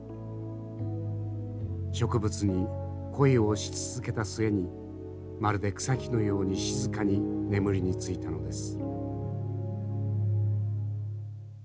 植物に恋をし続けた末にまるで草木のように静かに眠りについたのです。